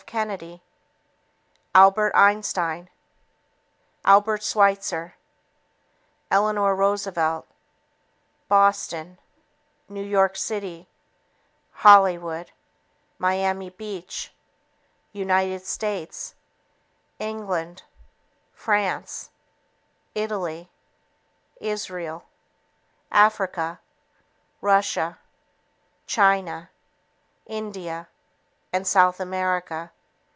Kennedy, Albert Einstein, Albert Schweitzer, Eleanor Roosevelt, Boston, New York City, Hollywood, Miami Beach, United States, England, France, Italy, Israel, Africa, Russia, China, India and South America.